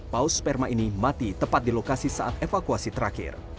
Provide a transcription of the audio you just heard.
paus sperma ini mati tepat di lokasi saat evakuasi terakhir